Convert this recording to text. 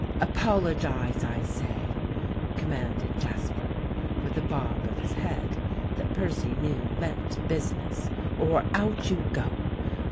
"Apologize, I say," commanded Jasper, with a bob of his head that Percy knew meant business, "or out you go.